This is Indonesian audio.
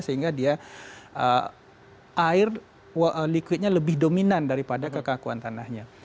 sehingga dia air liquidnya lebih dominan daripada kekakuannya